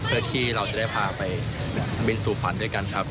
เพื่อที่เราจะได้พาไปบินสู่ฝันด้วยกันครับ